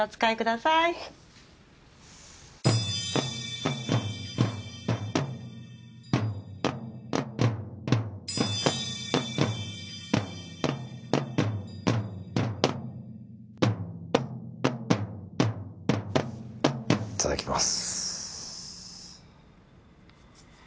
いただきます。